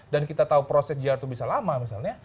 dan kita tahu proses dijiar itu bisa lama misalnya